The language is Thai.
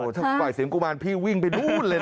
ถ้าปล่อยเสียงกุมารพี่วิ่งไปนู่นเลยนะ